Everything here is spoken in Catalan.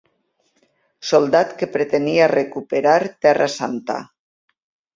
Soldat que pretenia recuperar Terra Santa.